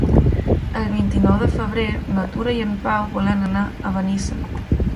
El vint-i-nou de febrer na Tura i en Pau volen anar a Benissa.